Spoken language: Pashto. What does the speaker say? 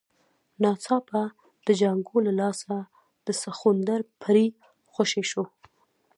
ناڅاپه د جانکو له لاسه د سخوندر پړی خوشی شو.